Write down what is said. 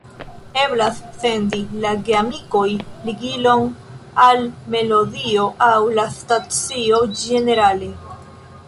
Eblas sendi al geamikoj ligilon al melodio aŭ la stacio ĝenerale.